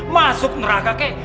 masuk neraka kek